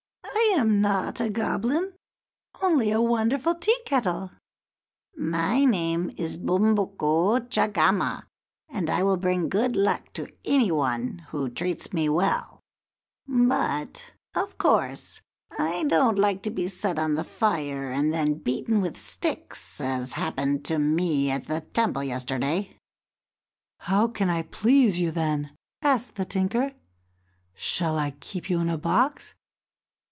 I am not a goblin, only a wonderful tea kettle. My name is Bumbuku Chagama, and I will bring good luck to any one who treats me well; but, of course, I don't like to be set on the fire, and then beaten with sticks, as happened to me up at the temple yesterday." "How can I please you, then?" asked the tinker. "Shall I keep you in a box?"